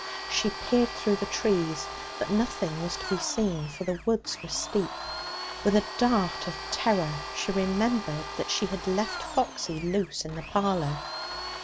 She peered through the trees, but nothing was to be seen, for the woods were steep. With a dart of terror she remembered that she had left Foxy loose in the parlour.